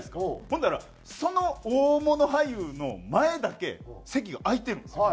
ほんだらその大物俳優の前だけ席が空いてるんですよ。